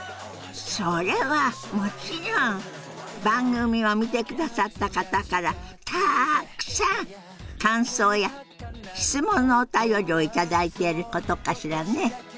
それはもちろん番組を見てくださった方からたくさん感想や質問のお便りを頂いていることかしらね。